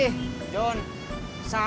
kalau app aja